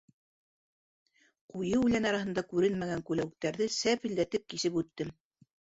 Ҡуйы үлән араһында күренмәгән күләүектәрҙе сәпелдәтеп кисеп үттем.